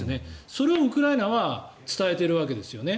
それをウクライナは伝えているわけですよね。